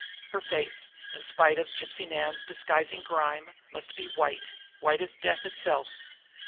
Her face, in spite of Gipsy Nan's disguising grime, must be white, white as death itself.